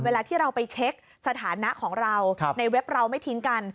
เวลาที่เราไปเช็คสถานะของเราในเว็บเราไม่ทิ้งกัน